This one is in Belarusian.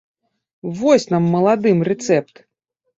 Вось нам, маладым, рэцэпт!